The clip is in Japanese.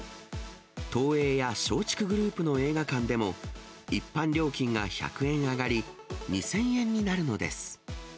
東映や松竹グループの映画館でも、一般料金が１００円上がり、２０００円になるのです。